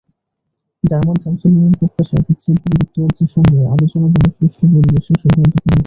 German চ্যান্সেলরের প্রত্যাশা, বিচ্ছেদ নিয়ে যুক্তরাজ্যের সঙ্গে আলোচনা যেন সুষ্ঠু পরিবেশে সৌহার্দ্যপূর্ণ হয়।